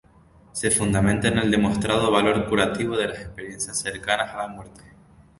Se fundamenta en el demostrado valor curativo de las Experiencias cercanas a la muerte.